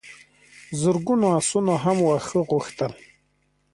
زرګونو آسونو هم واښه غوښتل.